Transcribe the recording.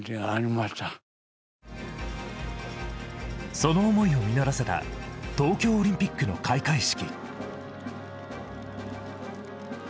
その思いを実らせた東京オリンピックの開会式。